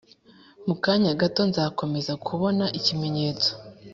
Mu kanya gato nzakomeza kubona ikimenyetso